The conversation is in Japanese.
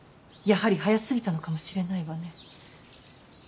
やはり早すぎたのかもしれないわね。